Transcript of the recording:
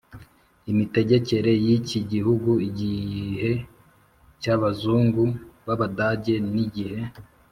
imitegekere y'iki gihugu igihe cy'abazungu b'abadage n'igihe